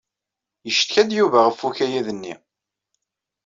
Yeccetka-d Yuba ɣef ukayad-nni.